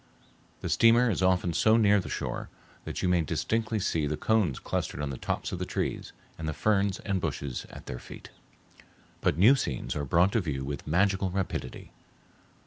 The steamer is often so near the shore that you may distinctly see the cones clustered on the tops of the trees, and the ferns and bushes at their feet. But new scenes are brought to view with magical rapidity.